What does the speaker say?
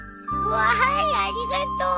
わーいありがとう！